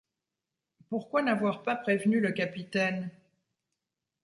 Pourquoi n’avoir pas prévenu le capitaine?